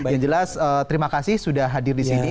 yang jelas terima kasih sudah hadir di sini